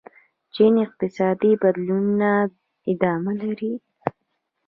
چین اقتصادي بدلونونه ادامه لري.